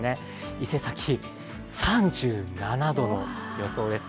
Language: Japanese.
伊勢崎、３７度の予想です。